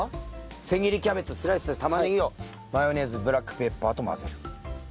千切りキャベツスライスした玉ねぎをマヨネーズブラックペッパーと混ぜる。